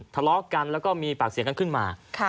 ทะเลาะกันแล้วก็มีปากเสียงกันขึ้นมา